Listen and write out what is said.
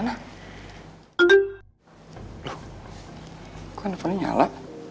loh kok handphone nyala